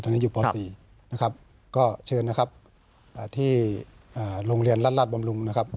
ตอนนี้อยู่ป๔นะครับก็เชิญนะครับที่โรงเรียนราชบำรุงนะครับ